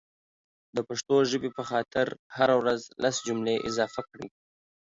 دا پښتو ژبې په خاطر هره ورځ لس جملي اضافه کړئ